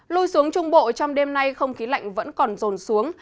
lui xuống trung bộ trong đêm nay không khí lạnh vẫn còn rồn xuống